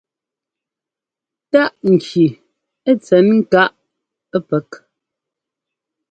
Táꞌ ŋki tsɛn káꞌ pɛk.